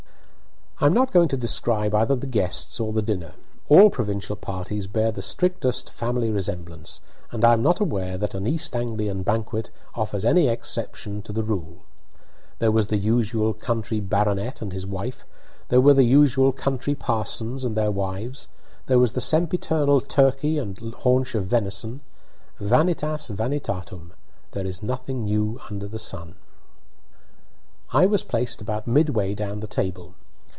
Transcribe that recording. I am not going to describe either the guests or the dinner. All provincial parties bear the strictest family resemblance, and I am not aware that an East Anglian banquet offers any exception to the rule. There was the usual country baronet and his wife; there were the usual country parsons and their wives; there was the sempiternal turkey and haunch of venison. Vanitas vanitatum. There is nothing new under the sun. I was placed about midway down the table.